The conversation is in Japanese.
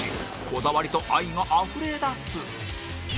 こだわりと愛があふれ出す